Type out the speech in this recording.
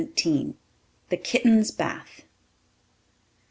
THE KITTEN'S BATH.